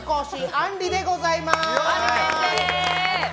あんりでございます。